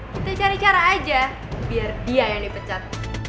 kita cari cara aja biar dia yang dipecat